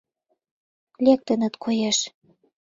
— Лектыныт коеш...